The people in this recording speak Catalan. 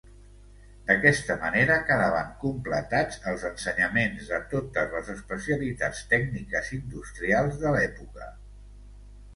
D’aquesta manera quedaven completats els ensenyaments de totes les especialitats tècniques industrials de l’època.